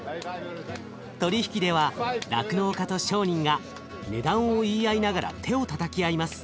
取り引きでは酪農家と商人が値段を言い合いながら手をたたき合います。